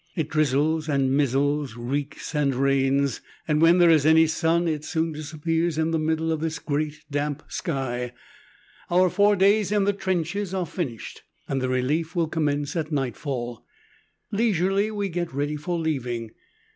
It drizzles and mizzles, reeks and rains. And when there is any sun it soon disappears in the middle of this great damp sky. Our four days in the trenches are finished, and the relief will commence at nightfall. Leisurely we get ready for leaving.